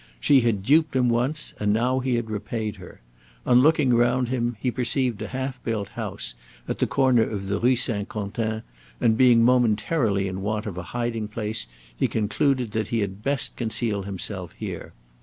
She had duped him once, and now he had repaid her. On looking round him he perceived a half built house at the corner of the Rue St. Quentin, and being momentarily in want of a hiding place he concluded that he had best conceal himself there.